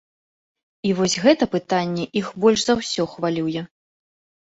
І вось гэта пытанне іх больш за ўсё хвалюе.